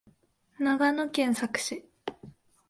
長野県佐久市